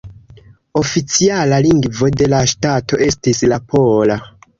Oficiala lingvo de la ŝtato estis la pola.